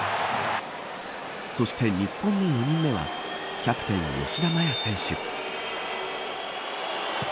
そして日本の４人目はキャプテン、吉田麻也選手。